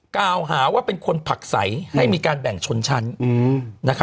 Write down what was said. กล่าวหาว่าเป็นคนผักใสให้มีการแบ่งชนชั้น